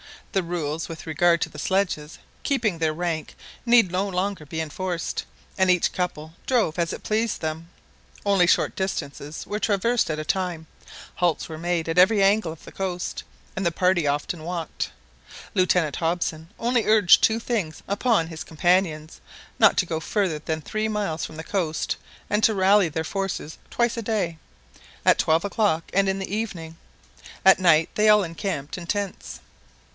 The rules with regard to the sledges keeping their rank need no longer be enforced, and each couple drove as it pleased them. Only short distances were traversed at a time; halts were made at every angle of the coast, and the party often walked. Lieutenant Hobson only urged two things upon his companions not to go further than three miles from the coast, and to rally their forces twice a day, at twelve o'clock and in the evening. At night they all encamped in tents.